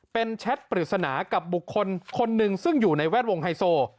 เป็นแชทปริศนากับบุคคลคนหนึ่งซึ่งอยู่ในแวดวงไฮโซ